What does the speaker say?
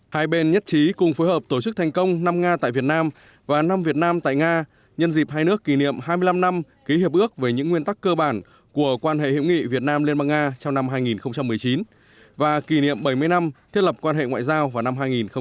hai bên nhất trí cùng phối hợp tổ chức thành công năm nga tại việt nam và năm việt nam tại nga nhân dịp hai nước kỷ niệm hai mươi năm năm ký hiệp ước về những nguyên tắc cơ bản của quan hệ hiệu nghị việt nam liên bang nga trong năm hai nghìn một mươi chín và kỷ niệm bảy mươi năm thiết lập quan hệ ngoại giao vào năm hai nghìn hai mươi